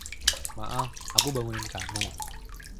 Maaf, aku bangunin kamu?